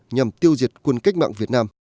nhằm tiêu diệt quân cách mạng việt nam